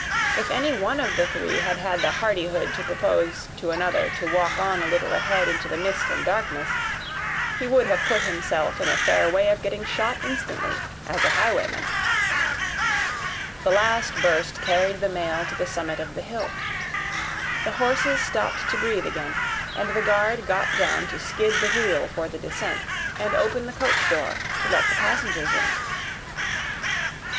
If any one of the three had had the hardihood to propose to another to walk on a little ahead into the mist and darkness, he would have put himself in a fair way of getting shot instantly as a highwayman. The last burst carried the mail to the summit of the hill. The horses stopped to breathe again, and the guard got down to skid the wheel for the descent, and open the coach door to let the passengers in.